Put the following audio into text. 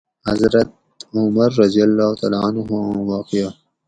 حضرت عمر رضی اللّٰہ تعالیٰ عنہ آں واقعہ